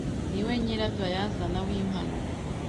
Niwe nyirabayazana w'impanuka.